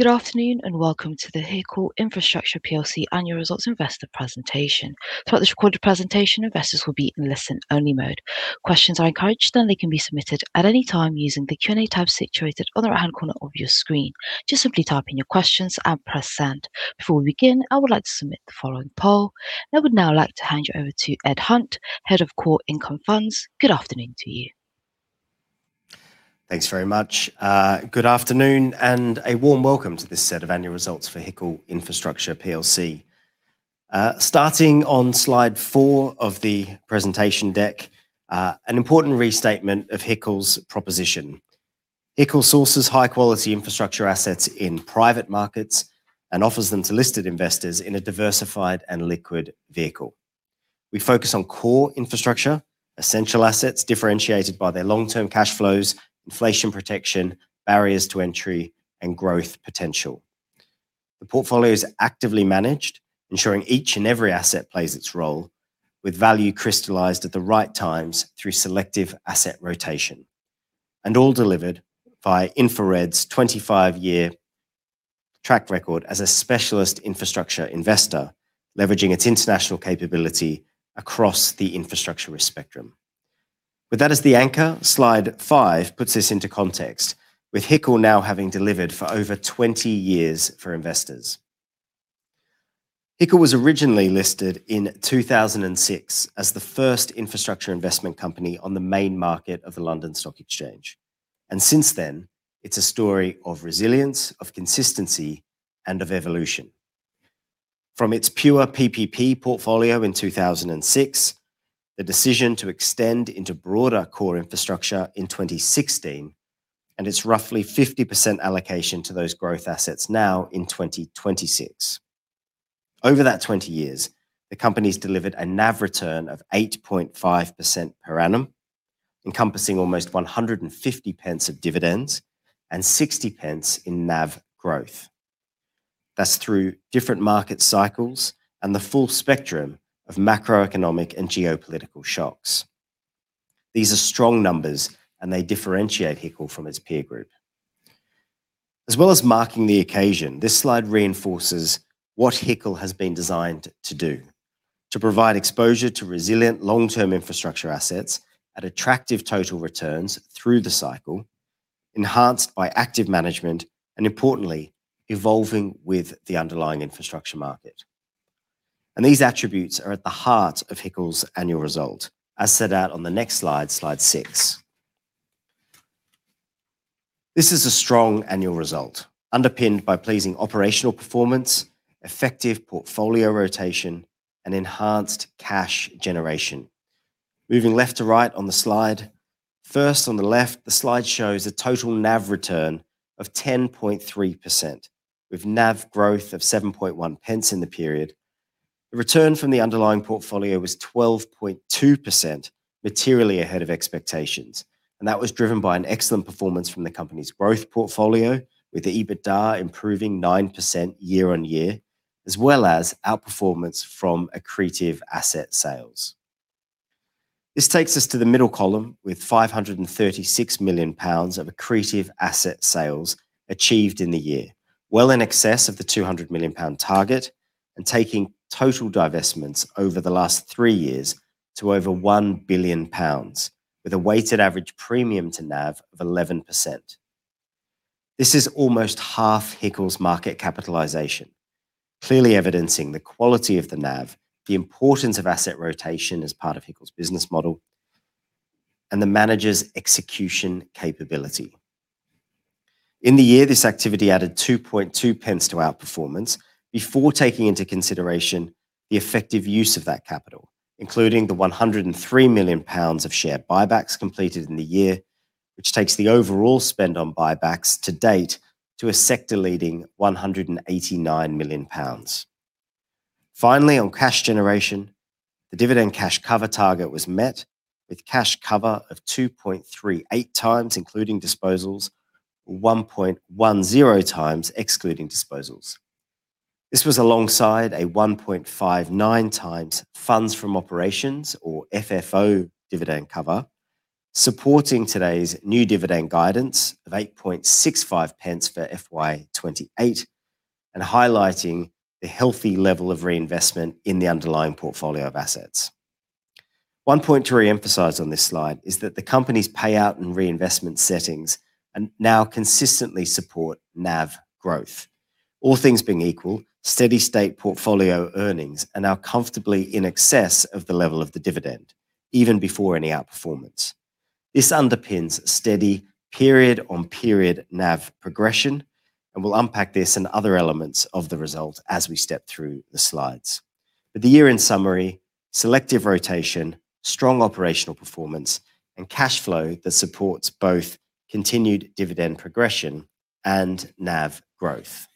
Good afternoon, and welcome to the HICL Infrastructure PLC annual results investor presentation. Throughout this recorded presentation, investors will be in listen-only mode. Questions are encouraged, and they can be submitted at any time using the Q&A tab situated on the right-hand corner of your screen. Just simply type in your questions and press send. Before we begin, I would like to submit the following poll. I would now like to hand you over to Edward Hunt, Head of Core Income Funds. Good afternoon to you. Thanks very much. Good afternoon, and a warm welcome to this set of annual results for HICL Infrastructure PLC. Starting on slide four of the presentation deck, an important restatement of HICL's proposition. HICL sources high-quality infrastructure assets in private markets and offers them to listed investors in a diversified and liquid vehicle. We focus on core infrastructure, essential assets differentiated by their long-term cash flows, inflation protection, barriers to entry, and growth potential. The portfolio is actively managed, ensuring each and every asset plays its role, with value crystallized at the right times through selective asset rotation, and all delivered via InfraRed's 25-year track record as a specialist infrastructure investor, leveraging its international capability across the infrastructure risk spectrum. With that as the anchor, slide five puts this into context. With HICL now having delivered for over 20 years for investors. HICL was originally listed in 2006 as the first infrastructure investment company on the main market of the London Stock Exchange. Since then, it's a story of resilience, of consistency, and of evolution. From its pure PPP portfolio in 2006, the decision to extend into broader core infrastructure in 2016, its roughly 50% allocation to those growth assets now in 2026. Over that 20 years, the company's delivered a NAV return of 8.5% per annum, encompassing almost 1.50 of dividends and 0.60 in NAV growth. That's through different market cycles and the full spectrum of macroeconomic and geopolitical shocks. These are strong numbers, and they differentiate HICL from its peer group. As well as marking the occasion, this slide reinforces what HICL has been designed to do: to provide exposure to resilient long-term infrastructure assets at attractive total returns through the cycle, enhanced by active management and, importantly, evolving with the underlying infrastructure market. These attributes are at the heart of HICL's annual result, as set out on the next slide six. This is a strong annual result, underpinned by pleasing operational performance, effective portfolio rotation, and enhanced cash generation. Moving left to right on the slide, first on the left, the slide shows a total NAV return of 10.3%, with NAV growth of 0.071 in the period. The return from the underlying portfolio was 12.2%, materially ahead of expectations. That was driven by an excellent performance from the company's growth portfolio, with the EBITDA improving 9% year-on-year, as well as outperformance from accretive asset sales. This takes us to the middle column, with 536 million pounds of accretive asset sales achieved in the year, well in excess of the EUR 200 million target, and taking total divestments over the last three years to over EUR 1 billion, with a weighted average premium to NAV of 11%. This is almost half HICL's market capitalization, clearly evidencing the quality of the NAV, the importance of asset rotation as part of HICL's business model, and the manager's execution capability. In the year, this activity added 0.022 To our performance before taking into consideration the effective use of that capital, including the 103 million pounds of share buybacks completed in the year, which takes the overall spend on buybacks to date to a sector-leading 189 million pounds. Finally, on cash generation, the dividend cash cover target was met with cash cover of 2.38x, including disposals, 1.10x excluding disposals. This was alongside a 1.59x funds from operations, or FFO, dividend cover, supporting today's new dividend guidance of 0.0865 For FY 2028 and highlighting the healthy level of reinvestment in the underlying portfolio of assets. One point to reemphasize on this slide is that the company's payout and reinvestment settings now consistently support NAV growth. All things being equal, steady state portfolio earnings are now comfortably in excess of the level of the dividend, even before any outperformance. This underpins steady period-on-period NAV progression. We'll unpack this and other elements of the result as we step through the slides. The year in summary, selective rotation, strong operational performance, and cash flow that supports both continued dividend progression and NAV growth.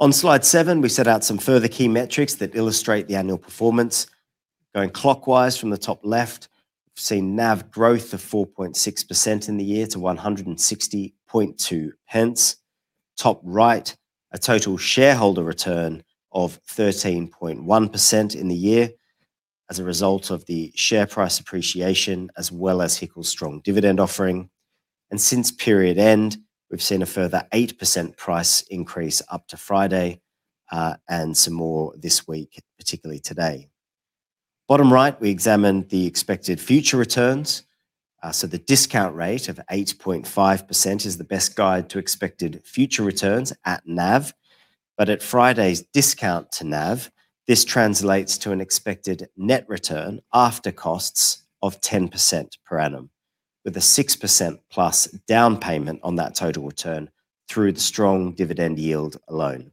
On slide seven, we set out some further key metrics that illustrate the annual performance. Going clockwise from the top left, we've seen NAV growth of 4.6% in the year to 1.602. Top right, a total shareholder return of 13.1% in the year, as a result of the share price appreciation, as well as HICL's strong dividend offering. Since period end, we've seen a further 8% price increase up to Friday, and some more this week, particularly today. Bottom right, we examine the expected future returns. The discount rate of 8.5% is the best guide to expected future returns at NAV. At Friday's discount to NAV, this translates to an expected net return after costs of 10% per annum, with a 6%+ down payment on that total return through the strong dividend yield alone.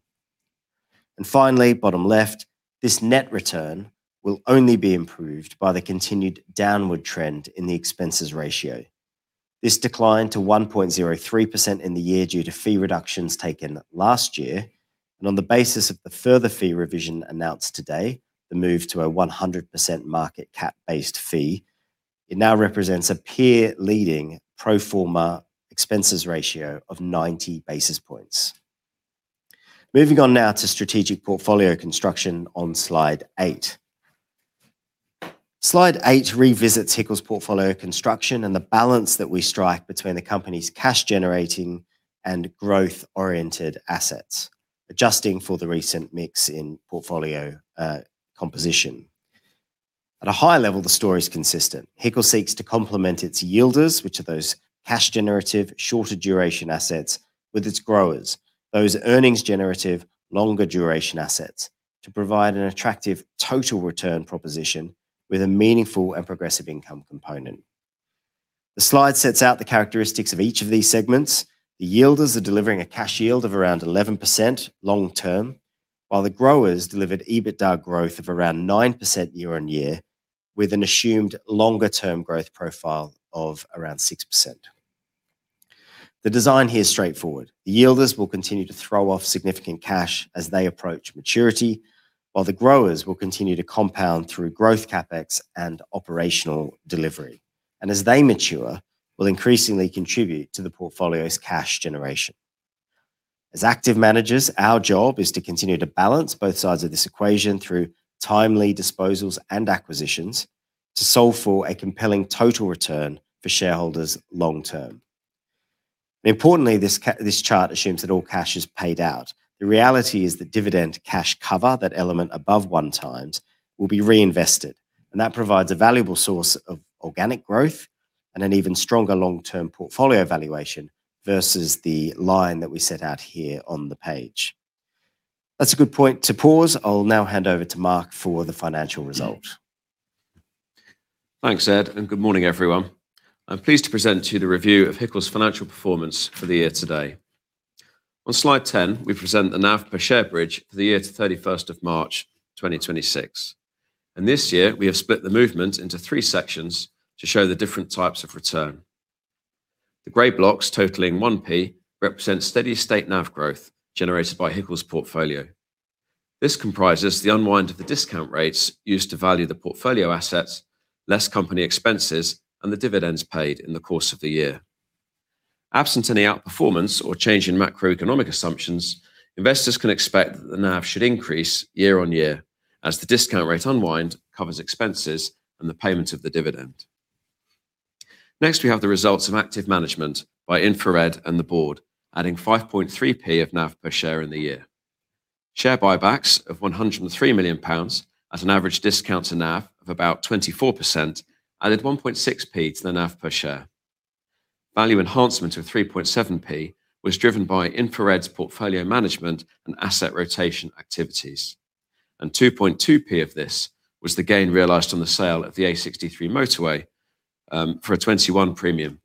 Finally, bottom left, this net return will only be improved by the continued downward trend in the expenses ratio. This declined to 1.03% in the year due to fee reductions taken last year, and on the basis of the further fee revision announced today, the move to a 100% market cap based fee, it now represents a peer leading pro forma expenses ratio of 90 basis points. Moving on now to strategic portfolio construction on slide eight. Slide eight revisits HICL's portfolio construction and the balance that we strike between the company's cash generating and growth-oriented assets, adjusting for the recent mix in portfolio composition. At a high level, the story is consistent. HICL seeks to complement its yielders, which are those cash generative, shorter duration assets with its growers, those earnings generative, longer duration assets, to provide an attractive total return proposition with a meaningful and progressive income component. The slide sets out the characteristics of each of these segments. The yielders are delivering a cash yield of around 11% long-term, while the growers delivered EBITDA growth of around 9% year-on-year, with an assumed longer-term growth profile of around 6%. The design here is straightforward. The yielders will continue to throw off significant cash as they approach maturity, while the growers will continue to compound through growth CapEx and operational delivery. As they mature, will increasingly contribute to the portfolio's cash generation. As active managers, our job is to continue to balance both sides of this equation through timely disposals and acquisitions to solve for a compelling total return for shareholders long-term. Importantly, this chart assumes that all cash is paid out. The reality is that dividend cash cover, that element above one times, will be reinvested, and that provides a valuable source of organic growth and an even stronger long-term portfolio valuation versus the line that we set out here on the page. That's a good point to pause. I will now hand over to Mark for the financial results. Thanks, Ed. Good morning, everyone. I'm pleased to present to you the review of HICL's financial performance for the year today. On slide 10, we present the NAV per share bridge for the year to 31st of March 2026. This year, we have split the movement into three sections to show the different types of return. The gray blocks totaling 0.01 represent steady state NAV growth generated by HICL's portfolio. This comprises the unwind of the discount rates used to value the portfolio assets, less company expenses, and the dividends paid in the course of the year. Absent any outperformance or change in macroeconomic assumptions, investors can expect that the NAV should increase year-on-year as the discount rate unwind covers expenses and the payment of the dividend. Next, we have the results of active management by InfraRed and the board, adding 0.053 Of NAV per share in the year. Share buybacks of 103 million pounds at an average discount to NAV of about 24%, added 0.016 To the NAV per share. Value enhancement of 0.037 Was driven by InfraRed's portfolio management and asset rotation activities, and 0.022 Of this was the gain realized on the sale of the A63 Motorway, for a 21%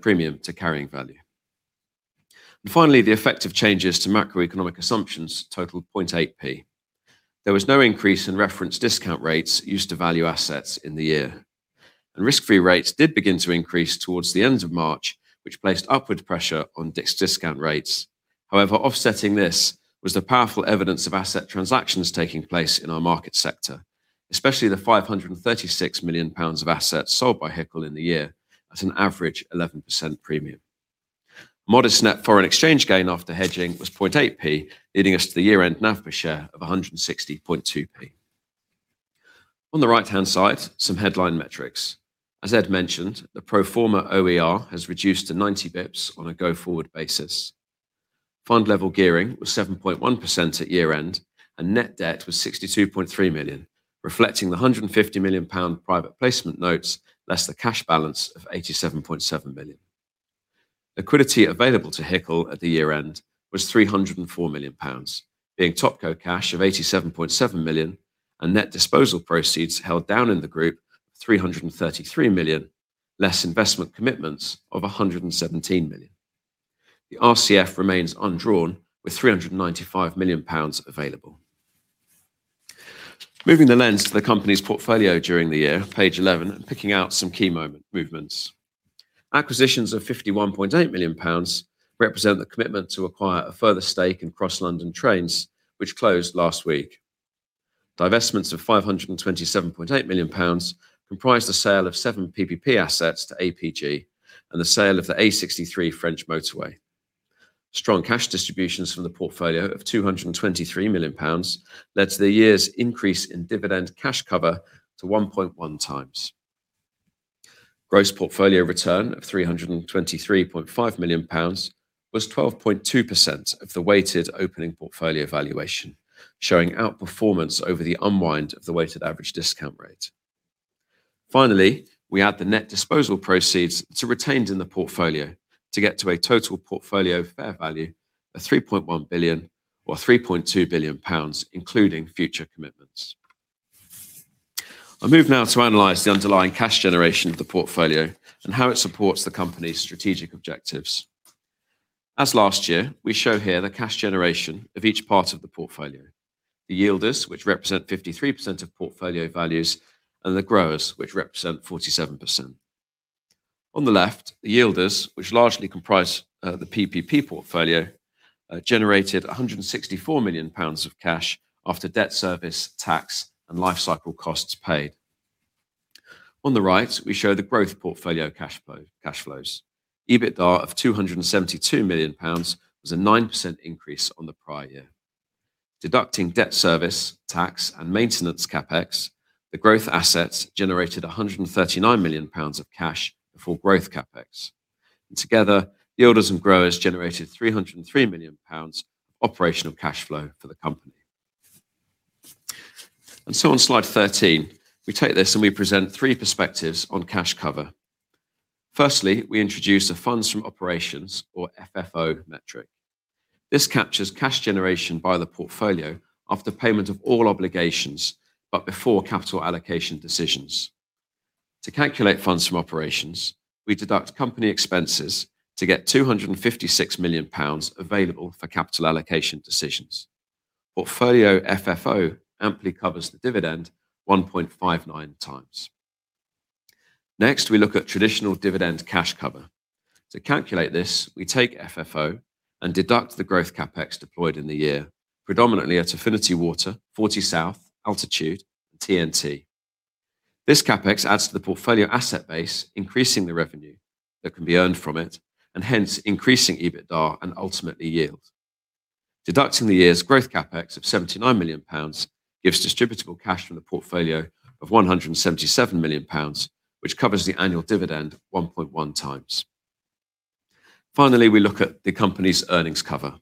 premium to carrying value. Finally, the effect of changes to macroeconomic assumptions totaled 0.008. There was no increase in reference discount rates used to value assets in the year. Risk-free rates did begin to increase towards the end of March, which placed upward pressure on HICL's discount rates. Offsetting this was the powerful evidence of asset transactions taking place in our market sector, especially the 536 million pounds of assets sold by HICL in the year at an average 11% premium. Modest net foreign exchange gain after hedging was 0.008, leading us to the year-end NAV per share of 1.602. On the right-hand side, some headline metrics. As Ed mentioned, the pro forma OER has reduced to 90 basis points on a go-forward basis. Fund level gearing was 7.1% at year-end, and net debt was 62.3 million, reflecting the 150 million pound private placement notes, less the cash balance of 87.7 million. Liquidity available to HICL at the year-end was 304 million pounds, being top co cash of 87.7 million and net disposal proceeds held down in the group 333 million, less investment commitments of 117 million. The RCF remains undrawn, with 395 million pounds available. Moving the lens to the company's portfolio during the year, page 11, and picking out some key movements. Acquisitions of 51.8 million pounds represent the commitment to acquire a further stake in Cross London Trains, which closed last week. Divestments of 527.8 million pounds comprised the sale of seven PPP assets to APG and the sale of the A63 French Motorway. Strong cash distributions from the portfolio of 223 million pounds led to the year's increase in dividend cash cover to 1.1x. Gross portfolio return of 323.5 million pounds was 12.2% of the weighted opening portfolio valuation, showing outperformance over the unwind of the weighted average discount rate. Finally, we add the net disposal proceeds to retained in the portfolio to get to a total portfolio fair value of 3.1 billion or 3.2 billion pounds, including future commitments. I move now to analyze the underlying cash generation of the portfolio and how it supports the company's strategic objectives. As last year, we show here the cash generation of each part of the portfolio, the yielders, which represent 53% of portfolio values, and the growers, which represent 47%. On the left, the yielders, which largely comprise the PPP portfolio, generated 164 million pounds of cash after debt service, tax, and life cycle costs paid. On the right, we show the growth portfolio cash flows. EBITDA of 272 million pounds was a 9% increase on the prior year. Deducting debt service, tax, and maintenance CapEx, the growth assets generated 139 million pounds of cash before growth CapEx. Together, yielders and growers generated 303 million pounds of operational cash flow for the company. On slide 13, we take this and we present three perspectives on cash cover. Firstly, we introduce the funds from operations or FFO metric. This captures cash generation by the portfolio after payment of all obligations, but before capital allocation decisions. To calculate funds from operations, we deduct company expenses to get 256 million pounds available for capital allocation decisions. Portfolio FFO amply covers the dividend 1.59x. Next, we look at traditional dividend cash cover. To calculate this, we take FFO and deduct the growth CapEx deployed in the year, predominantly at Affinity Water, Fortysouth, Altitude, and TNT. This CapEx adds to the portfolio asset base, increasing the revenue that can be earned from it, and hence increasing EBITDA and ultimately yield. Deducting the year's growth CapEx of 79 million pounds gives distributable cash from the portfolio of 177 million pounds, which covers the annual dividend 1.1x Finally, we look at the company's earnings cover.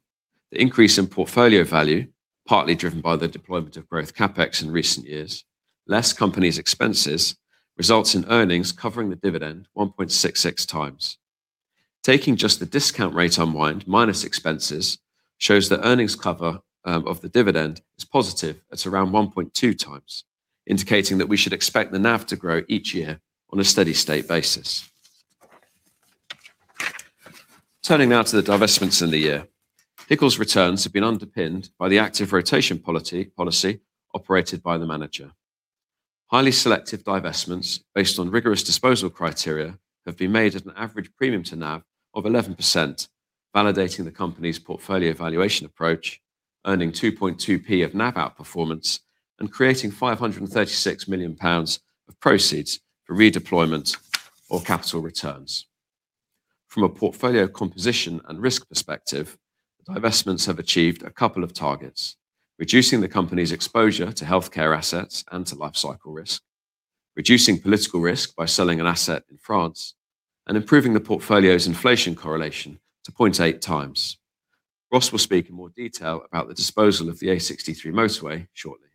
The increase in portfolio value, partly driven by the deployment of growth CapEx in recent years, less company's expenses, results in earnings covering the dividend 1.66x. Taking just the discount rate unwind minus expenses shows that earnings cover of the dividend is positive at around 1.2x, indicating that we should expect the NAV to grow each year on a steady-state basis. Turning now to the divestments in the year. HICL's returns have been underpinned by the active rotation policy operated by the manager. Highly selective divestments based on rigorous disposal criteria have been made at an average premium to NAV of 11%, validating the company's portfolio valuation approach, earning 0.022 of NAV outperformance, and creating 536 million pounds of proceeds for redeployment or capital returns. From a portfolio composition and risk perspective, divestments have achieved a couple of targets, reducing the company's exposure to healthcare assets and to life cycle risk, reducing political risk by selling an asset in France, and improving the portfolio's inflation correlation to 0.8x. Ross will speak in more detail about the disposal of the A63 Motorway shortly.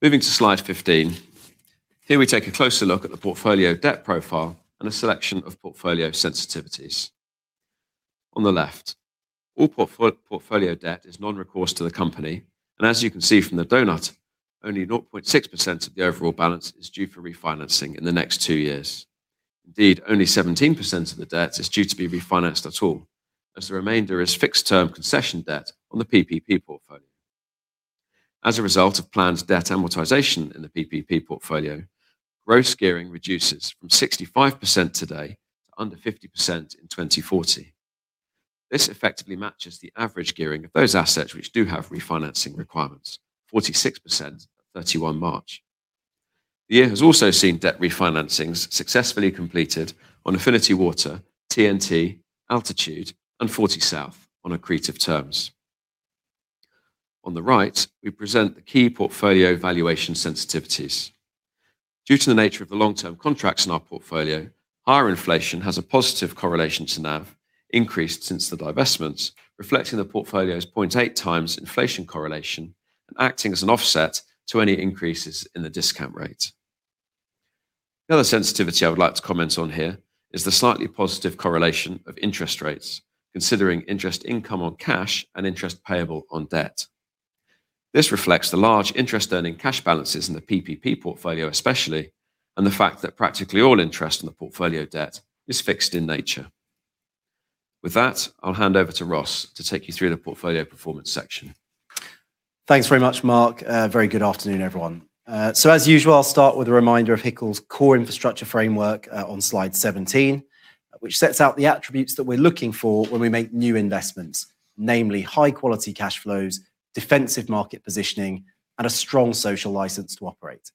Moving to slide 15. Here we take a closer look at the portfolio debt profile and a selection of portfolio sensitivities. On the left, all portfolio debt is non-recourse to the company, and as you can see from the donut, only 0.6% of the overall balance is due for refinancing in the next two years. Indeed, only 17% of the debt is due to be refinanced at all, as the remainder is fixed-term concession debt on the PPP portfolio. As a result of planned debt amortization in the PPP portfolio, gross gearing reduces from 65% today to under 50% in 2040. This effectively matches the average gearing of those assets which do have refinancing requirements, 46% at 31 March. The year has also seen debt refinancings successfully completed on Affinity Water, Texas Nevada Transmission, Altitude Infra, and Fortysouth on accretive terms. On the right, we present the key portfolio valuation sensitivities. Due to the nature of the long-term contracts in our portfolio, higher inflation has a positive correlation to NAV increased since the divestments, reflecting the portfolio's 0.8x inflation correlation and acting as an offset to any increases in the discount rate. The other sensitivity I would like to comment on here is the slightly positive correlation of interest rates, considering interest income on cash and interest payable on debt. This reflects the large interest-earning cash balances in the PPP portfolio especially, and the fact that practically all interest on the portfolio debt is fixed in nature. With that, I'll hand over to Ross to take you through the portfolio performance section. Thanks very much, Mark. A very good afternoon, everyone. As usual, I'll start with a reminder of HICL's core infrastructure framework on slide 17, which sets out the attributes that we're looking for when we make new investments, namely high-quality cash flows, defensive market positioning, and a strong social license to operate.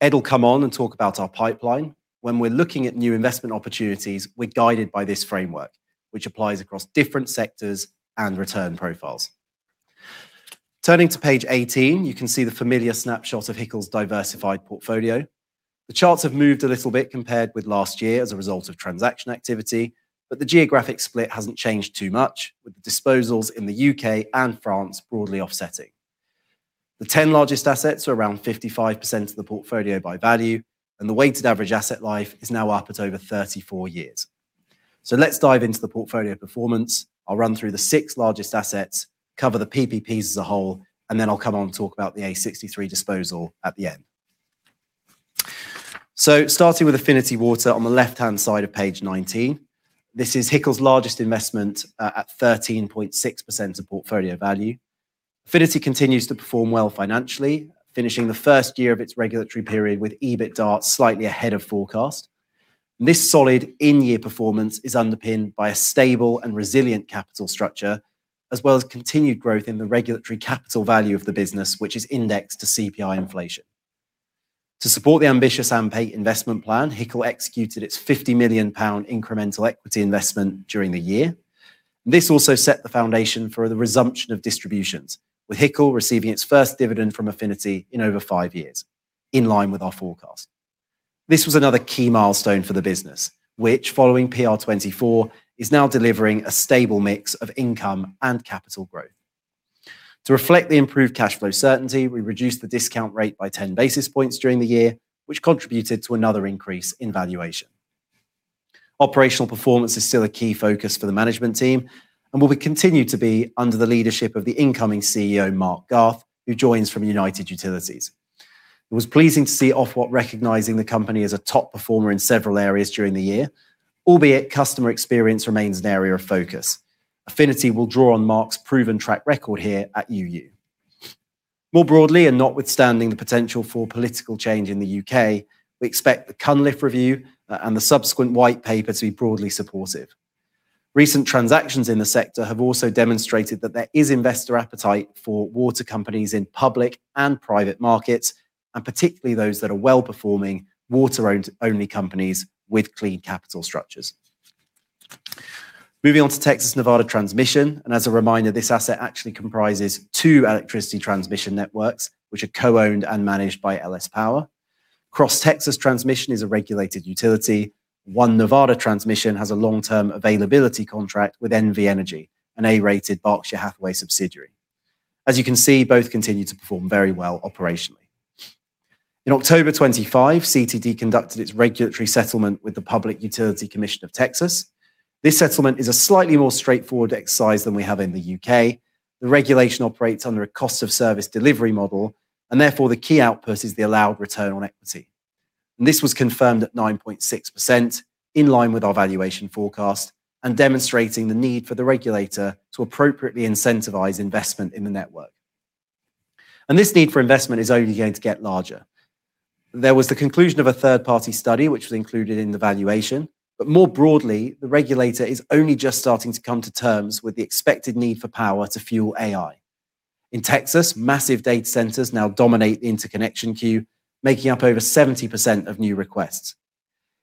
Ed will come on and talk about our pipeline. When we're looking at new investment opportunities, we're guided by this framework, which applies across different sectors and return profiles. Turning to page 18, you can see the familiar snapshot of HICL's diversified portfolio. The charts have moved a little bit compared with last year as a result of transaction activity, but the geographic split hasn't changed too much, with the disposals in the U.K. and France broadly offsetting. The 10 largest assets are around 55% of the portfolio by value, and the weighted average asset life is now up at over 34 years. Let's dive into the portfolio performance. I'll run through the six largest assets, cover the PPPs as a whole, and then I'll come on and talk about the A63 Motorway disposal at the end. Starting with Affinity Water on the left-hand side of page 19. This is HICL's largest investment at 13.6% of portfolio value. Affinity continues to perform well financially, finishing the first year of its regulatory period with EBITDA slightly ahead of forecast. This solid in-year performance is underpinned by a stable and resilient capital structure, as well as continued growth in the regulatory capital value of the business, which is indexed to CPI inflation. To support the ambitious AMP8 investment plan, HICL executed its 50 million pound incremental equity investment during the year. This also set the foundation for the resumption of distributions, with HICL receiving its first dividend from Affinity Water in over five years, in line with our forecast. This was another key milestone for the business, which, following PR24, is now delivering a stable mix of income and capital growth. To reflect the improved cash flow certainty, we reduced the discount rate by 10 basis points during the year, which contributed to another increase in valuation. Operational performance is still a key focus for the management team and will continue to be under the leadership of the incoming CEO, Mark Garth, who joins from United Utilities. It was pleasing to see Ofwat recognizing the company as a top performer in several areas during the year, albeit customer experience remains an area of focus. Affinity will draw on Mark's proven track record here at UU. More broadly, and notwithstanding the potential for political change in the U.K., we expect the Cunliffe Review and the subsequent White Paper to be broadly supportive. Recent transactions in the sector have also demonstrated that there is investor appetite for water companies in public and private markets, and particularly those that are well-performing water only companies with clean capital structures. Moving on to Texas Nevada Transmission, and as a reminder, this asset actually comprises two electricity transmission networks, which are co-owned and managed by LS Power. Cross Texas Transmission is a regulated utility. One Nevada Transmission has a long-term availability contract with NV Energy, an A-rated Berkshire Hathaway subsidiary. As you can see, both continue to perform very well operationally. In October 25, CTT conducted its regulatory settlement with the Public Utility Commission of Texas. This settlement is a slightly more straightforward exercise than we have in the U.K. The regulation operates under a cost-of-service delivery model, and therefore the key output is the allowed return on equity. This was confirmed at 9.6%, in line with our valuation forecast and demonstrating the need for the regulator to appropriately incentivize investment in the network. This need for investment is only going to get larger. There was the conclusion of a third-party study, which was included in the valuation. More broadly, the regulator is only just starting to come to terms with the expected need for power to fuel AI. In Texas, massive data centers now dominate the interconnection queue, making up over 70% of new requests.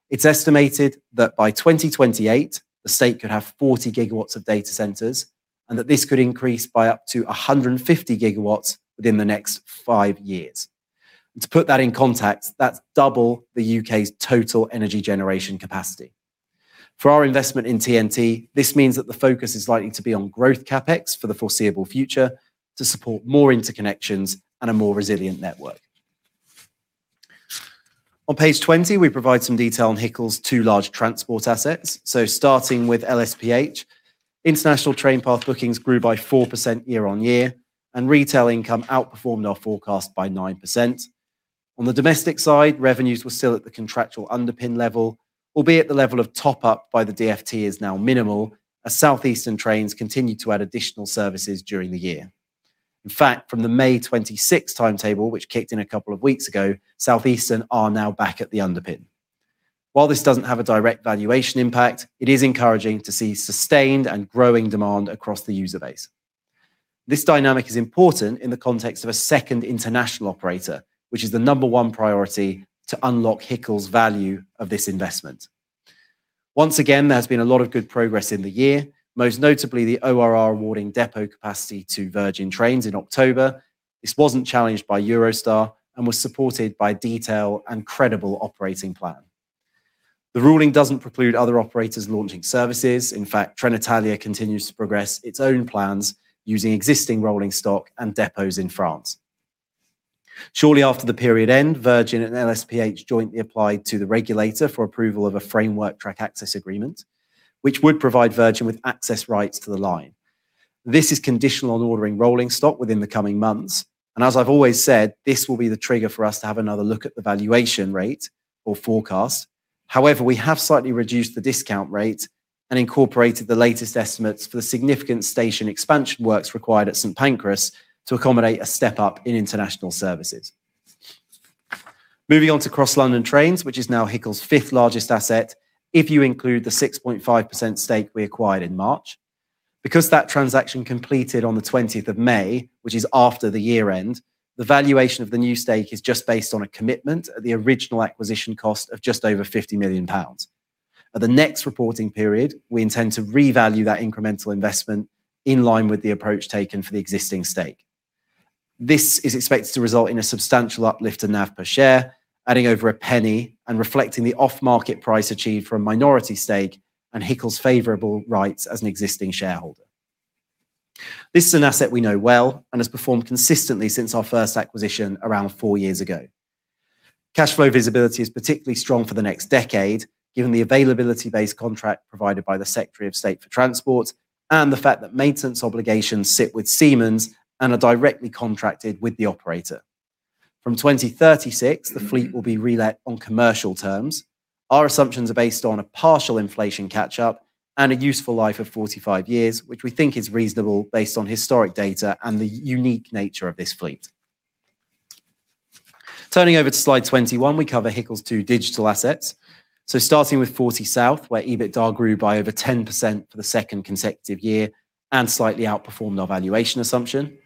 It is estimated that by 2028, the state could have 40 GW of data centers and that this could increase by up to 150 GW within the next five years. To put that in context, that is double the U.K.'s total energy generation capacity. For our investment in TNT, this means that the focus is likely to be on growth CapEx for the foreseeable future to support more interconnections and a more resilient network. On page 20, we provide some detail on HICL's two large transport assets. Starting with LSPH, international train path bookings grew by 4% year-over-year, and retail income outperformed our forecast by 9%. On the domestic side, revenues were still at the contractual underpin level, albeit the level of top up by the DfT is now minimal as Southeastern trains continued to add additional services during the year. In fact, from the May 26th timetable, which kicked in a couple of weeks ago, Southeastern are now back at the underpin. While this doesn't have a direct valuation impact, it is encouraging to see sustained and growing demand across the user base. This dynamic is important in the context of a second international operator, which is the number one priority to unlock HICL's value of this investment. Once again, there's been a lot of good progress in the year, most notably the ORR awarding depot capacity to Virgin Trains in October. This wasn't challenged by Eurostar and was supported by detail and credible operating plan. The ruling doesn't preclude other operators launching services. In fact, Trenitalia continues to progress its own plans using existing rolling stock and depots in France. Shortly after the period end, Virgin and LSP jointly applied to the regulator for approval of a framework track access agreement, which would provide Virgin with access rights to the line. This is conditional on ordering rolling stock within the coming months, and as I've always said, this will be the trigger for us to have another look at the valuation rate or forecast. We have slightly reduced the discount rate and incorporated the latest estimates for the significant station expansion works required at St. Pancras to accommodate a step up in international services. Moving on to Cross London Trains, which is now HICL's fifth largest asset if you include the 6.5% stake we acquired in March. Because that transaction completed on the 20th of May, which is after the year-end, the valuation of the new stake is just based on a commitment at the original acquisition cost of just over 50 million pounds. At the next reporting period, we intend to revalue that incremental investment in line with the approach taken for the existing stake. This is expected to result in a substantial uplift to NAV per share, adding over a penny and reflecting the off-market price achieved from minority stake and HICL's favorable rights as an existing shareholder. This is an asset we know well and has performed consistently since our first acquisition around four years ago. Cash flow visibility is particularly strong for the next decade, given the availability-based contract provided by the Secretary of State for Transport, and the fact that maintenance obligations sit with Siemens and are directly contracted with the operator. From 2036, the fleet will be relet on commercial terms. Our assumptions are based on a partial inflation catch-up and a useful life of 45 years, which we think is reasonable based on historic data and the unique nature of this fleet. Turning over to slide 21, we cover HICL's two digital assets. Starting with Fortysouth, where EBITDA grew by over 10% for the second consecutive year and slightly outperformed our valuation assumption.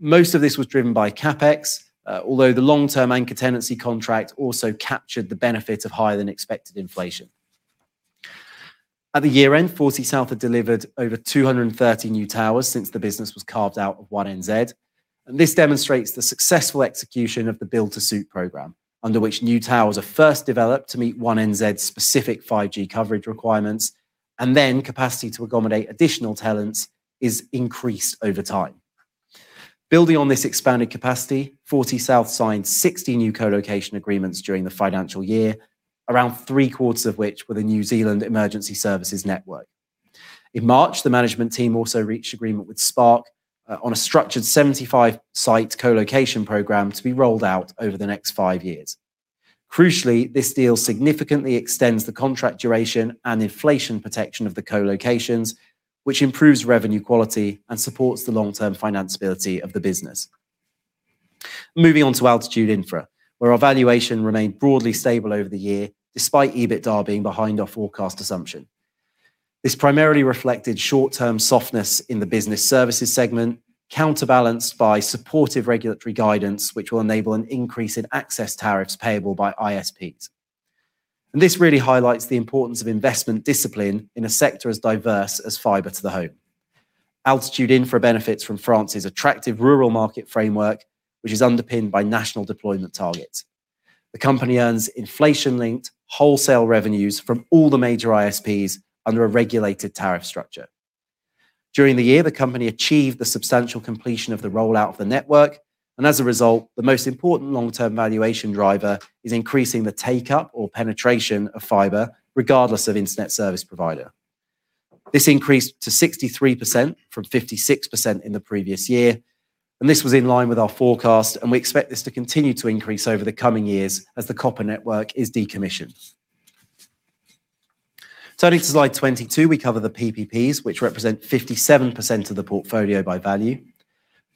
Most of this was driven by CapEx, although the long-term anchor tenancy contract also captured the benefit of higher than expected inflation. At the year-end, Fortysouth had delivered over 230 new towers since the business was carved out of One NZ, and this demonstrates the successful execution of the build-to-suit program, under which new towers are first developed to meet One NZ's specific 5G coverage requirements, and then capacity to accommodate additional tenants is increased over time. Building on this expanded capacity, Fortysouth signed 60 new colocation agreements during the financial year, around 3/4 of which were the New Zealand Emergency Services Network. In March, the management team also reached agreement with Spark on a structured 75-site colocation program to be rolled out over the next five years. Crucially, this deal significantly extends the contract duration and inflation protection of the collocations, which improves revenue quality and supports the long-term finance ability of the business. Moving on to Altitude Infra, where our valuation remained broadly stable over the year, despite EBITDA being behind our forecast assumption. This primarily reflected short-term softness in the business services segment, counterbalanced by supportive regulatory guidance which will enable an increase in access tariffs payable by ISPs. This really highlights the importance of investment discipline in a sector as diverse as fiber to the home. Altitude Infra benefits from France's attractive rural market framework, which is underpinned by national deployment targets. The company earns inflation-linked wholesale revenues from all the major ISPs under a regulated tariff structure. During the year, the company achieved the substantial completion of the rollout of the network, and as a result, the most important long-term valuation driver is increasing the take-up or penetration of fiber, regardless of internet service provider. This increased to 63% from 56% in the previous year, and this was in line with our forecast, and we expect this to continue to increase over the coming years as the copper network is decommissioned. Turning to slide 22, we cover the PPPs, which represent 57% of the portfolio by value.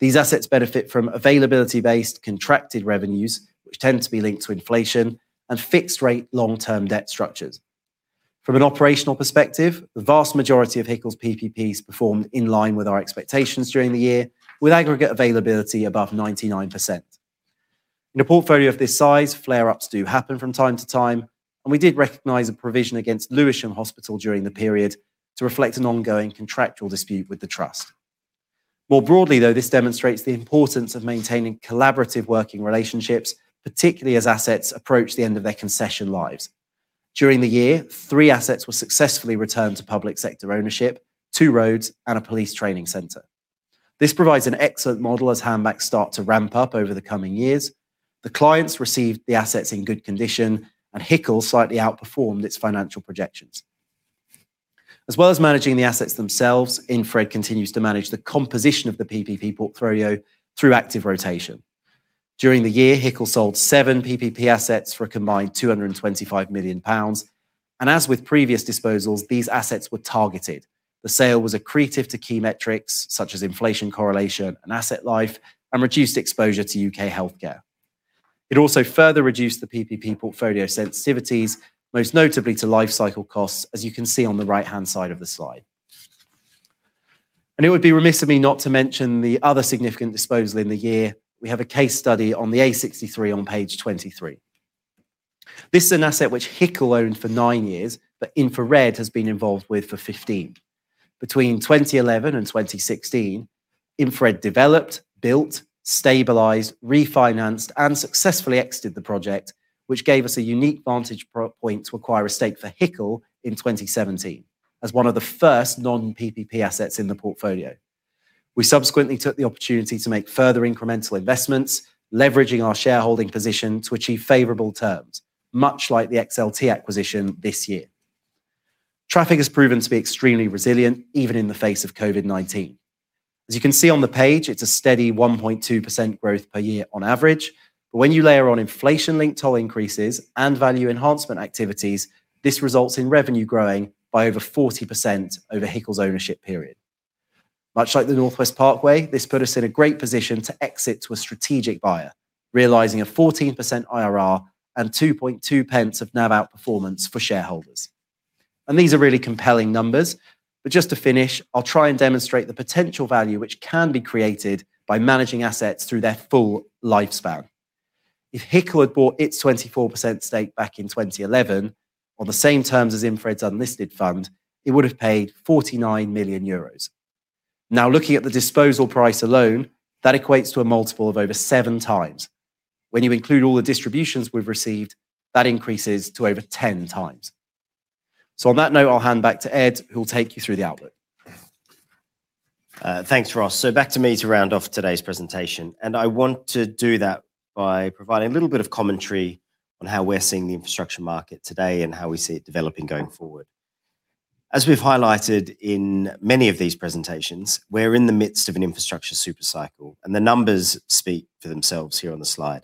These assets benefit from availability-based contracted revenues, which tend to be linked to inflation and fixed rate long-term debt structures. From an operational perspective, the vast majority of HICL's PPPs performed in line with our expectations during the year, with aggregate availability above 99%. In a portfolio of this size, flare-ups do happen from time to time, and we did recognize a provision against Lewisham Hospital during the period to reflect an ongoing contractual dispute with the trust. More broadly, though, this demonstrates the importance of maintaining collaborative working relationships, particularly as assets approach the end of their concession lives. During the year, three assets were successfully returned to public sector ownership, two roads, and a police training center. This provides an excellent model as handbacks start to ramp up over the coming years. The clients received the assets in good condition, and HICL slightly outperformed its financial projections. As well as managing the assets themselves, InfraRed continues to manage the composition of the PPP portfolio through active rotation. During the year, HICL sold seven PPP assets for a combined 225 million pounds. As with previous disposals, these assets were targeted. The sale was accretive to key metrics such as inflation correlation and asset life and reduced exposure to U.K. healthcare. It also further reduced the PPP portfolio sensitivities, most notably to life cycle costs, as you can see on the right-hand side of the slide. It would be remiss of me not to mention the other significant disposal in the year. We have a case study on the A63 on page 23. This is an asset which HICL owned for nine years, but InfraRed has been involved with for 15. Between 2011 and 2016, InfraRed developed, built, stabilized, refinanced, and successfully exited the project, which gave us a unique vantage point to acquire a stake for HICL in 2017 as one of the first non-PPP assets in the portfolio. We subsequently took the opportunity to make further incremental investments, leveraging our shareholding position to achieve favorable terms, much like the XLT acquisition this year. Traffic has proven to be extremely resilient, even in the face of COVID-19. As you can see on the page, it's a steady 1.2% growth per year on average. When you layer on inflation-linked toll increases and value enhancement activities, this results in revenue growing by over 40% over HICL's ownership period. Much like the North West Parkway, this put us in a great position to exit to a strategic buyer, realizing a 14% IRR and 0.022 of NAV outperformance for shareholders. These are really compelling numbers. Just to finish, I'll try and demonstrate the potential value which can be created by managing assets through their full lifespan. If HICL had bought its 24% stake back in 2011 on the same terms as InfraRed's unlisted fund, it would've paid 49 million euros. Looking at the disposal price alone, that equates to a multiple of over 7x. When you include all the distributions we've received, that increases to over 10 times. On that note, I'll hand back to Ed, who will take you through the outlook. Thanks, Ross. Back to me to round off today's presentation, and I want to do that by providing a little bit of commentary on how we're seeing the infrastructure market today and how we see it developing going forward. As we've highlighted in many of these presentations, we're in the midst of an infrastructure super cycle, and the numbers speak for themselves here on the slide.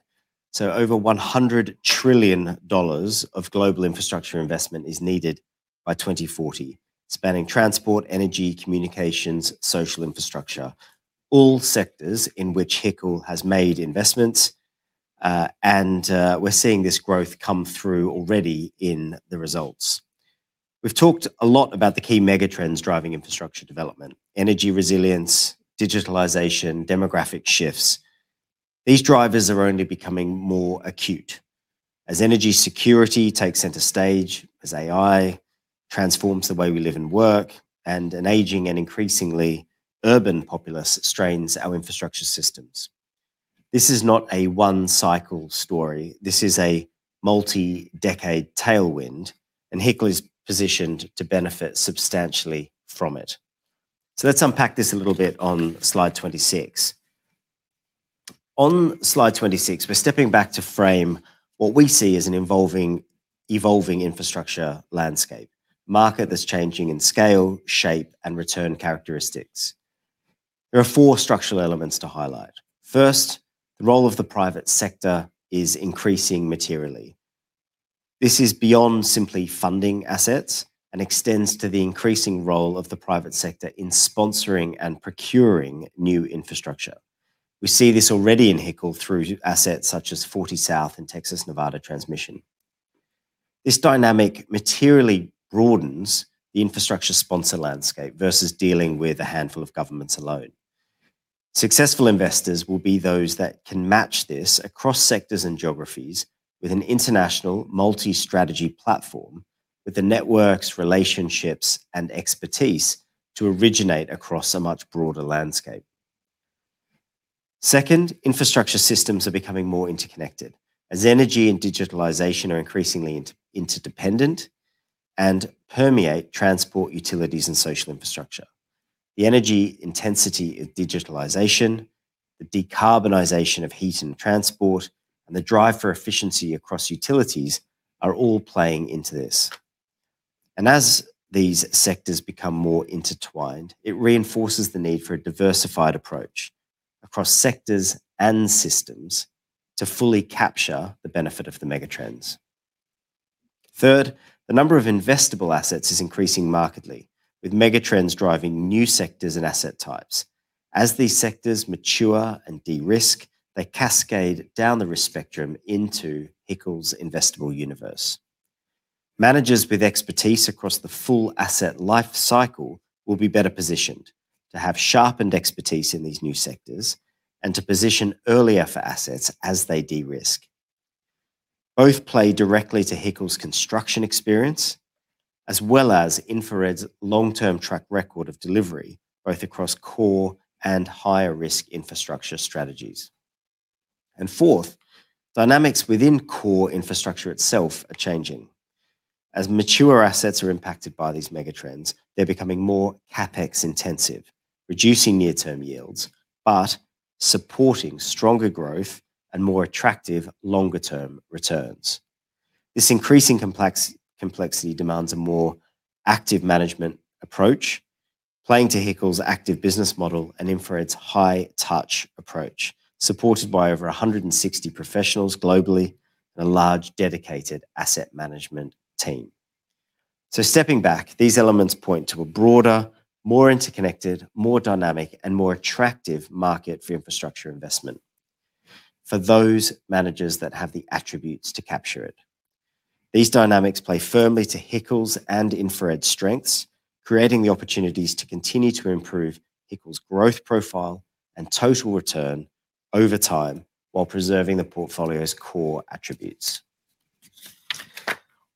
Over GBP 100 trillion of global infrastructure investment is needed by 2040, spanning transport, energy, communications, social infrastructure, all sectors in which HICL has made investments. We're seeing this growth come through already in the results. We've talked a lot about the key megatrends driving infrastructure development, energy resilience, digitalization, demographic shifts. These drivers are only becoming more acute as energy security takes center stage, as AI transforms the way we live and work, and an aging and increasingly urban populace strains our infrastructure systems. This is not a one-cycle story. This is a multi-decade tailwind, and HICL is positioned to benefit substantially from it. Let's unpack this a little bit on slide 26. On slide 26, we're stepping back to frame what we see as an evolving infrastructure landscape, market that's changing in scale, shape, and return characteristics. There are four structural elements to highlight. First, the role of the private sector is increasing materially. This is beyond simply funding assets and extends to the increasing role of the private sector in sponsoring and procuring new infrastructure. We see this already in HICL through assets such as Fortysouth and Texas Nevada Transmission. This dynamic materially broadens the infrastructure sponsor landscape versus dealing with a handful of governments alone. Successful investors will be those that can match this across sectors and geographies with an international multi-strategy platform, with the networks, relationships, and expertise to originate across a much broader landscape. Second, infrastructure systems are becoming more interconnected as energy and digitalization are increasingly interdependent and permeate transport, utilities, and social infrastructure. The energy intensity of digitalization, the decarbonization of heat and transport, and the drive for efficiency across utilities are all playing into this. As these sectors become more intertwined, it reinforces the need for a diversified approach across sectors and systems to fully capture the benefit of the megatrends. Third, the number of investable assets is increasing markedly, with megatrends driving new sectors and asset types. As these sectors mature and de-risk, they cascade down the risk spectrum into HICL's investable universe. Managers with expertise across the full asset life cycle will be better positioned to have sharpened expertise in these new sectors and to position earlier for assets as they de-risk. Both play directly to HICL's construction experience, as well as InfraRed's long-term track record of delivery, both across core and higher risk infrastructure strategies. Fourth, dynamics within core infrastructure itself are changing. As mature assets are impacted by these megatrends, they're becoming more CapEx intensive, reducing near-term yields, but supporting stronger growth and more attractive longer-term returns. This increasing complexity demands a more active management approach, playing to HICL's active business model and InfraRed's high touch approach, supported by over 160 professionals globally and a large dedicated asset management team. Stepping back, these elements point to a broader, more interconnected, more dynamic, and more attractive market for infrastructure investment for those managers that have the attributes to capture it. These dynamics play firmly to HICL's and InfraRed's strengths, creating the opportunities to continue to improve HICL's growth profile and total return over time while preserving the portfolio's core attributes.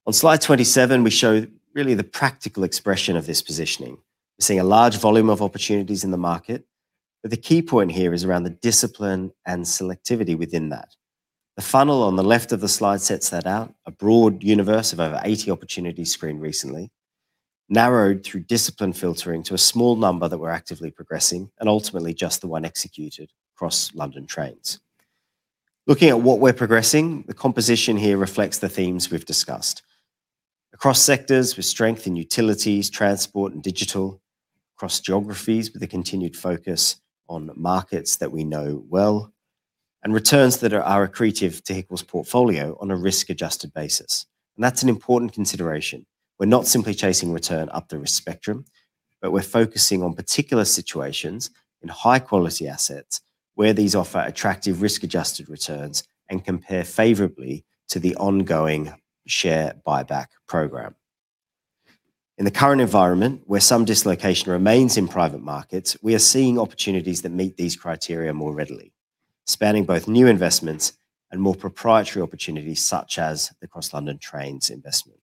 On slide 27, we show really the practical expression of this positioning. We're seeing a large volume of opportunities in the market, but the key point here is around the discipline and selectivity within that. The funnel on the left of the slide sets that out. A broad universe of over 80 opportunities screened recently, narrowed through discipline filtering to a small number that we're actively progressing, and ultimately just the one executed Cross London Trains. Looking at what we're progressing, the composition here reflects the themes we've discussed. Across sectors with strength in utilities, transport, and digital, across geographies with a continued focus on markets that we know well. Returns that are accretive to HICL's portfolio on a risk-adjusted basis. That's an important consideration. We're not simply chasing return up the risk spectrum, but we're focusing on particular situations in high-quality assets where these offer attractive risk-adjusted returns and compare favorably to the ongoing share buyback program. In the current environment, where some dislocation remains in private markets, we are seeing opportunities that meet these criteria more readily, spanning both new investments and more proprietary opportunities, such as the Cross London Trains investment.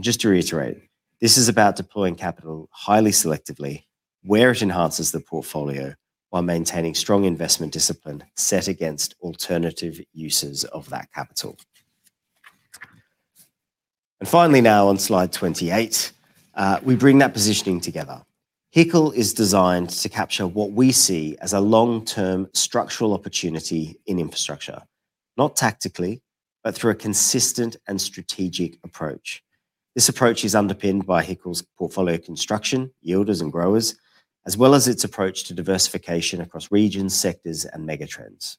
Just to reiterate, this is about deploying capital highly selectively, where it enhances the portfolio while maintaining strong investment discipline set against alternative uses of that capital. Finally now, on slide 28, we bring that positioning together. HICL is designed to capture what we see as a long-term structural opportunity in infrastructure. Not tactically, but through a consistent and strategic approach. This approach is underpinned by HICL's portfolio construction, yielders and growers, as well as its approach to diversification across regions, sectors, and megatrends.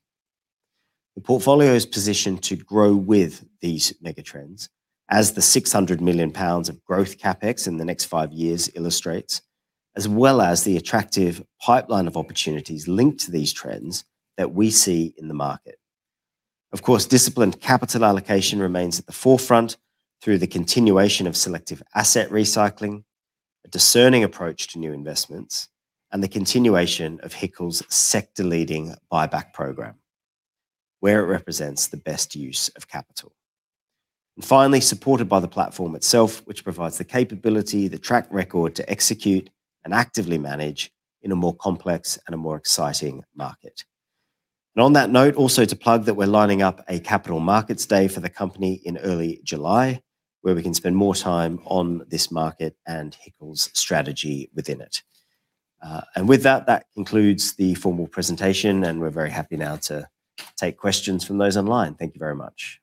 The portfolio is positioned to grow with these megatrends, as the 600 million pounds of growth CapEx in the next five years illustrates, as well as the attractive pipeline of opportunities linked to these trends that we see in the market. Of course, disciplined capital allocation remains at the forefront through the continuation of selective asset recycling, a discerning approach to new investments, and the continuation of HICL's sector-leading buyback program, where it represents the best use of capital. Finally, supported by the platform itself, which provides the capability, the track record to execute and actively manage in a more complex and a more exciting market. On that note, also to plug that we're lining up a capital markets day for the company in early July, where we can spend more time on this market and HICL's strategy within it. With that concludes the formal presentation, and we're very happy now to take questions from those online. Thank you very much.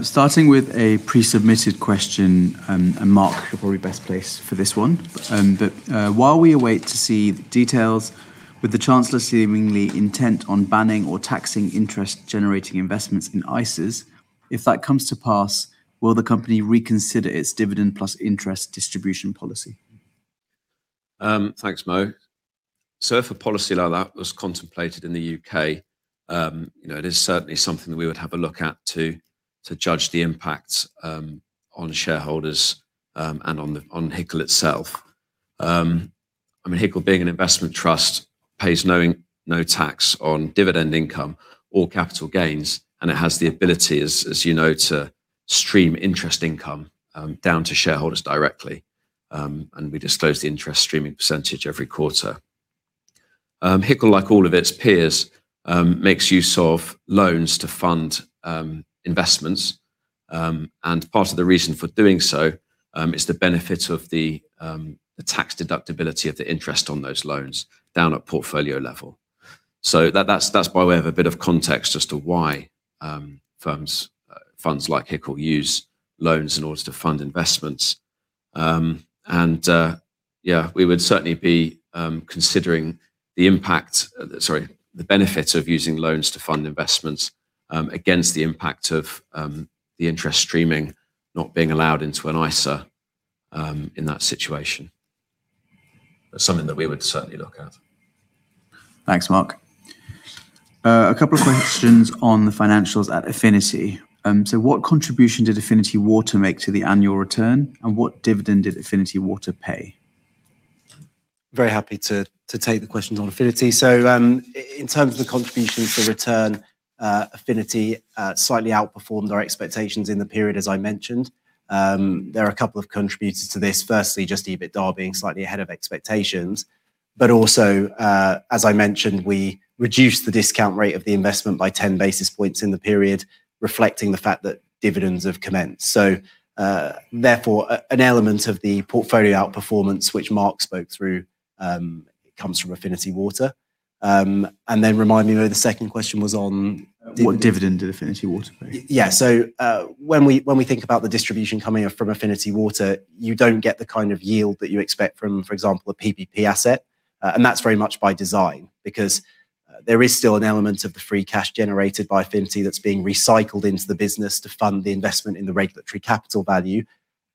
Starting with a pre-submitted question, Mark, you're probably best placed for this one. That while we await to see the details, with the Chancellor seemingly intent on banning or taxing interest-generating investments in ISAs, if that comes to pass, will the company reconsider its dividend plus interest distribution policy? Thanks, Mo. If a policy like that was contemplated in the U.K., it is certainly something that we would have a look at to judge the impacts on shareholders and on HICL itself. HICL, being an investment trust, pays no tax on dividend income or capital gains, and it has the ability, as you know, to stream interest income down to shareholders directly. We disclose the interest streaming percentage every quarter. HICL, like all of its peers, makes use of loans to fund investments. Part of the reason for doing so, is the benefit of the tax deductibility of the interest on those loans down at portfolio level. That's why we have a bit of context as to why firms, funds like HICL use loans in order to fund investments. We would certainly be considering the benefits of using loans to fund investments against the impact of the interest streaming not being allowed into an ISA in that situation. That's something that we would certainly look at. Thanks, Mark. A couple of questions on the financials at Affinity. What contribution did Affinity Water make to the annual return, and what dividend did Affinity Water pay? Very happy to take the questions on Affinity. In terms of the contribution to return, Affinity slightly outperformed our expectations in the period, as I mentioned. There are two contributors to this. Firstly, just EBITDA being slightly ahead of expectations, but also, as I mentioned, we reduced the discount rate of the investment by 10 basis points in the period, reflecting the fact that dividends have commenced. Therefore, an element of the portfolio outperformance, which Mark spoke through, comes from Affinity Water. Then remind me, Mo, the second question was on What dividend did Affinity Water pay? Yeah. When we think about the distribution coming from Affinity Water, you don't get the kind of yield that you expect from, for example, a PPP asset. That's very much by design because there is still an element of the free cash generated by Affinity that's being recycled into the business to fund the investment in the regulatory capital value,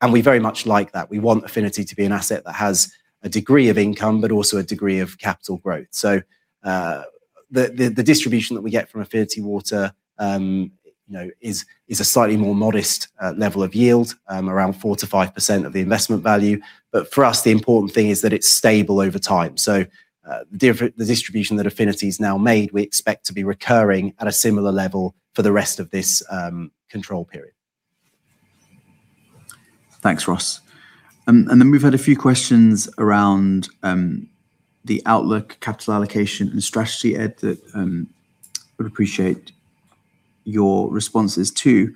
and we very much like that. We want Affinity to be an asset that has a degree of income, but also a degree of capital growth. The distribution that we get from Affinity Water is a slightly more modest level of yield, around 4% to 5% of the investment value. For us, the important thing is that it's stable over time. The distribution that Affinity's now made, we expect to be recurring at a similar level for the rest of this control period. Thanks, Ross. We've had a few questions around the outlook, capital allocation, and strategy, Ed, that would appreciate your responses too.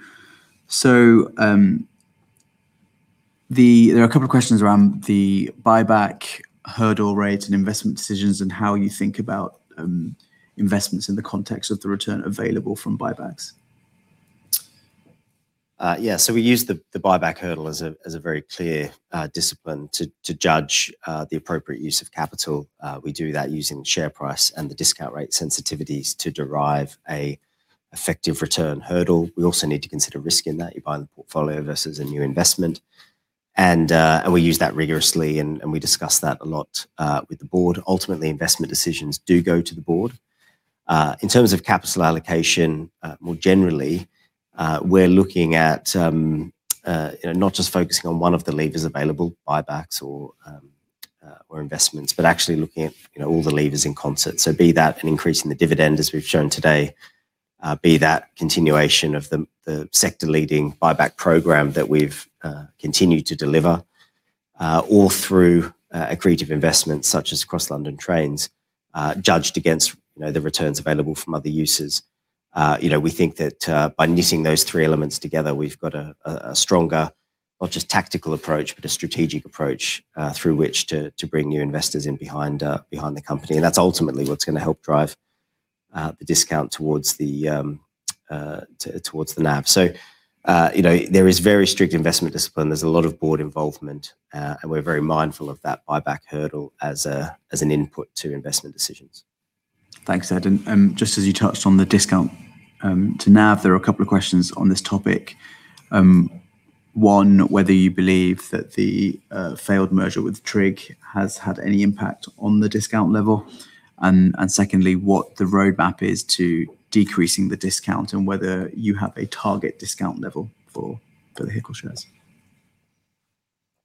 There are a couple of questions around the buyback hurdle rate and investment decisions and how you think about investments in the context of the return available from buybacks. Yeah. We use the buyback hurdle as a very clear discipline to judge the appropriate use of capital. We do that using the share price and the discount rate sensitivities to derive an effective return hurdle. We also need to consider risk in that, you're buying the portfolio versus a new investment. We use that rigorously and we discuss that a lot with the board. Ultimately, investment decisions do go to the board. In terms of capital allocation, more generally, we're looking at not just focusing on one of the levers available, buybacks or investments, but actually looking at all the levers in concert. Be that an increase in the dividend as we've shown today, be that continuation of the sector-leading buyback program that we've continued to deliver, or through accretive investments such as Cross London Trains, judged against the returns available from other uses. We think that by knitting those three elements together, we've got a stronger, not just tactical approach, but a strategic approach, through which to bring new investors in behind the company. That's ultimately what's going to help drive the discount towards the NAV. There is very strict investment discipline. There's a lot of board involvement. We're very mindful of that buyback hurdle as an input to investment decisions. Thanks, Ed. Just as you touched on the discount to NAV, there are a couple of questions on this topic. One, whether you believe that the failed merger with TRIG has had any impact on the discount level. Secondly, what the roadmap is to decreasing the discount and whether you have a target discount level for the HICL shares.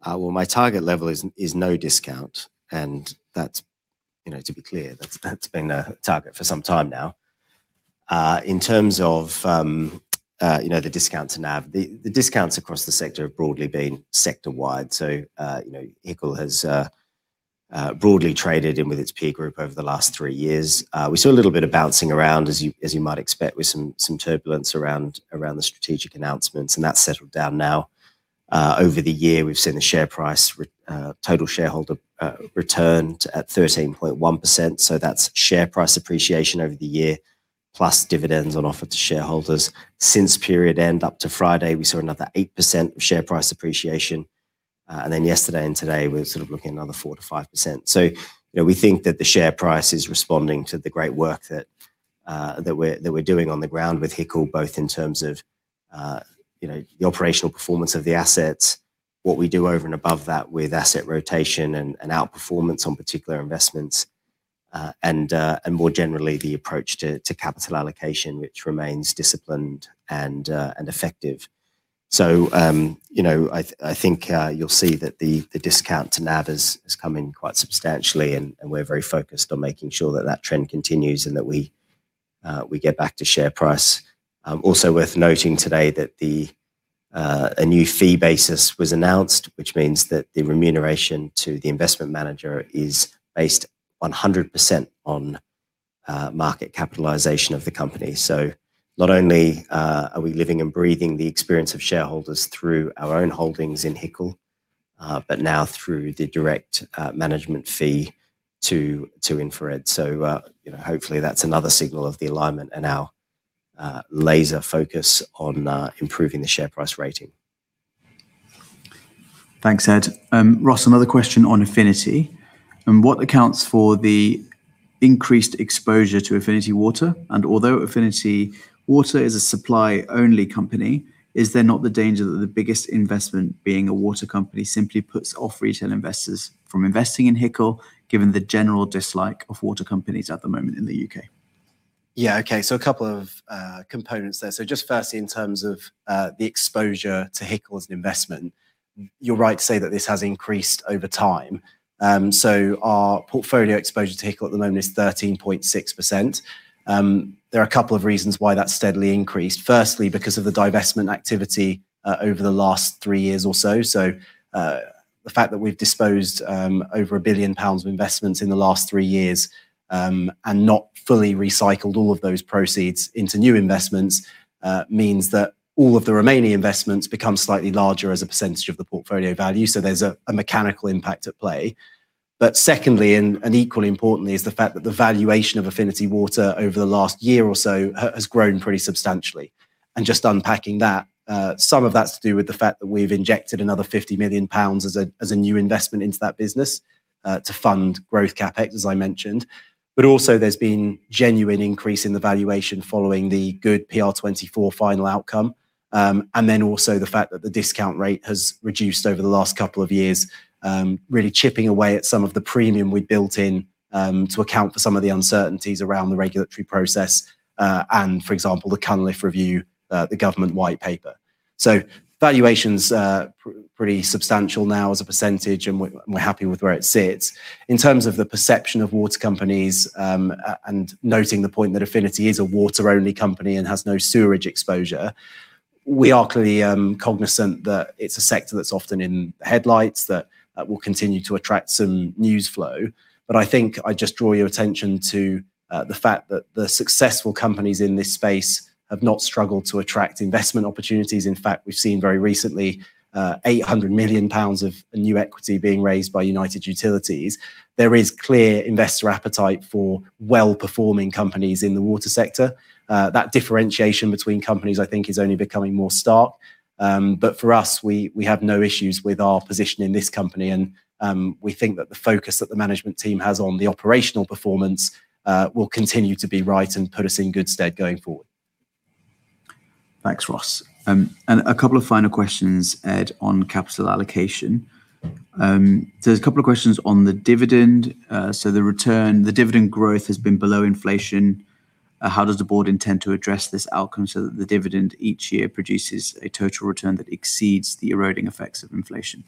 Well, my target level is no discount. To be clear, that's been a target for some time now. In terms of the discount to NAV, the discounts across the sector have broadly been sector-wide. HICL has broadly traded in with its peer group over the last three years. We saw a little bit of bouncing around, as you might expect, with some turbulence around the strategic announcements, and that's settled down now. Over the year, we've seen the share price total shareholder return at 13.1%, so that's share price appreciation over the year, plus dividends on offer to shareholders. Since period end up to Friday, we saw another 8% of share price appreciation. Then yesterday and today we're looking at another 4%-5%. We think that the share price is responding to the great work that we're doing on the ground with HICL, both in terms of the operational performance of the assets, what we do over and above that with asset rotation and outperformance on particular investments, and more generally, the approach to capital allocation, which remains disciplined and effective. I think you'll see that the discount to NAV has come in quite substantially, and we're very focused on making sure that that trend continues and that we get back to share price. Also worth noting today that a new fee basis was announced, which means that the remuneration to the investment manager is based 100% on market capitalization of the company. Not only are we living and breathing the experience of shareholders through our own holdings in HICL, but now through the direct management fee to InfraRed. Hopefully that's another signal of the alignment and our laser focus on improving the share price rating. Thanks, Ed. Ross, another question on Affinity and what accounts for the increased exposure to Affinity Water, and although Affinity Water is a supply-only company, is there not the danger that the biggest investment being a water company simply puts off retail investors from investing in HICL, given the general dislike of water companies at the moment in the U.K.? Okay, a couple of components there. Just firstly, in terms of the exposure to HICL as an investment, you're right to say that this has increased over time. Our portfolio exposure to HICL at the moment is 13.6%. There are a couple of reasons why that steadily increased. Firstly, because of the divestment activity over the last three years or so. The fact that we've disposed over 1 billion pounds of investments in the last three years, and not fully recycled all of those proceeds into new investments, means that all of the remaining investments become slightly larger as a percentage of the portfolio value. There's a mechanical impact at play. Secondly, and equally importantly, is the fact that the valuation of Affinity Water over the last year or so has grown pretty substantially. Just unpacking that, some of that's to do with the fact that we've injected another 50 million pounds as a new investment into that business, to fund growth CapEx, as I mentioned. Also there's been genuine increase in the valuation following the good PR24 final outcome. Also the fact that the discount rate has reduced over the last couple of years, really chipping away at some of the premium we'd built in to account for some of the uncertainties around the regulatory process, and for example, the Cunliffe Review, the government white paper. Valuation's pretty substantial now as a percentage, and we're happy with where it sits. In terms of the perception of water companies, and noting the point that Affinity is a water-only company and has no sewerage exposure, we are clearly cognizant that it's a sector that's often in headlights that will continue to attract some news flow. I think I'd just draw your attention to the fact that the successful companies in this space have not struggled to attract investment opportunities. In fact, we've seen very recently 800 million pounds of new equity being raised by United Utilities. There is clear investor appetite for well-performing companies in the water sector. That differentiation between companies, I think, is only becoming more stark. For us, we have no issues with our position in this company. We think that the focus that the management team has on the operational performance will continue to be right and put us in good stead going forward. Thanks, Ross. A couple of final questions, Ed, on capital allocation. There's two questions on the dividend. The dividend growth has been below inflation. How does the board intend to address this outcome so that the dividend each year produces a total return that exceeds the eroding effects of inflation?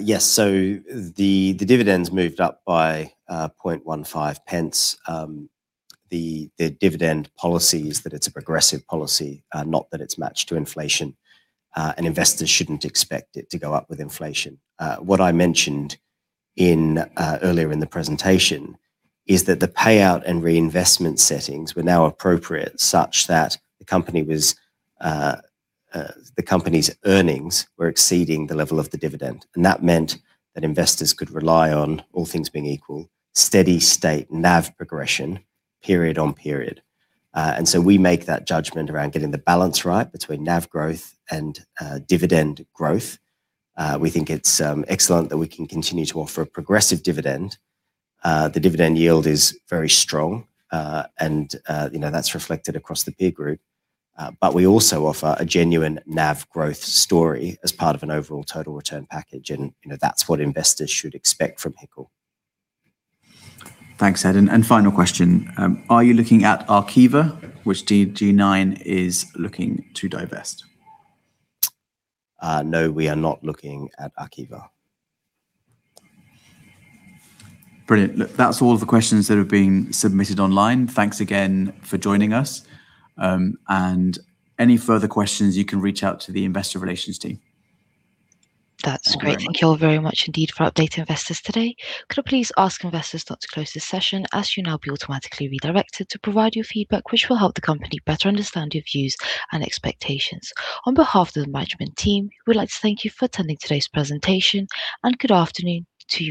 Yes. The dividend's moved up by 0.0015. The dividend policy is that it's a progressive policy, not that it's matched to inflation, and investors shouldn't expect it to go up with inflation. What I mentioned earlier in the presentation is that the payout and reinvestment settings were now appropriate such that the company's earnings were exceeding the level of the dividend, and that meant that investors could rely on, all things being equal, steady state NAV progression period on period. We make that judgment around getting the balance right between NAV growth and dividend growth. We think it's excellent that we can continue to offer a progressive dividend. The dividend yield is very strong, and that's reflected across the peer group. We also offer a genuine NAV growth story as part of an overall total return package, and that's what investors should expect from HICL. Thanks, Ed. Final question. Are you looking at Arqiva, which DG9 is looking to divest? No, we are not looking at Arqiva. Brilliant. Look, that's all of the questions that have been submitted online. Thanks again for joining us. Any further questions, you can reach out to the investor relations team. That's great. Thank you all very much indeed for updating investors today. Could I please ask investors not to close this session, as you'll now be automatically redirected to provide your feedback, which will help the company better understand your views and expectations. On behalf of the management team, we would like to thank you for attending today's presentation. Good afternoon to you all.